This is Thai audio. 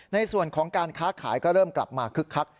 ในส่วนของการค้าขายก็เริ่มกลับมาคึกคัก